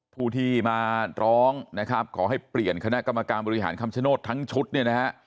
ผู้ที่มาร้องนะครับขอให้เปลี่ยนคณะกรรมการบริหารคำชโนธทั้งชุดเนี่ยนะฮะ